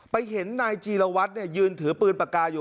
เห็นนายจีรวัตรยืนถือปืนปากกาอยู่